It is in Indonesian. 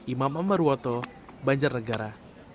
imam ambar woto banjar negara